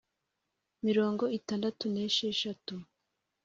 Mirongo itandatu n esheshatu